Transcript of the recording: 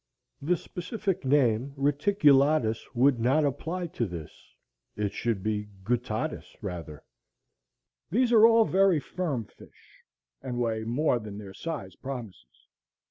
The specific name reticulatus would not apply to this; it should be guttatus rather. These are all very firm fish, and weigh more than their size promises.